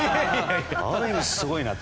ある意味すごいなと。